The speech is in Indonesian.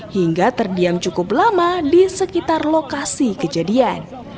hingga terdiam cukup lama di sekitar lokasi kejadian